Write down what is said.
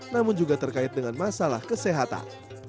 namun juga terkait dengan masalah kesehatan